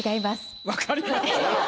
分かりました。